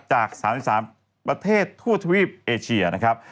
จาก๓๓ประเทศทั่วทวีปเอเชียนะครับ